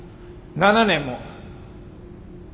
７年も！